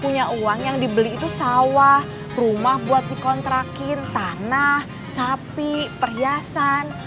punya uang yang dibeli itu sawah rumah buat dikontrakin tanah sapi perhiasan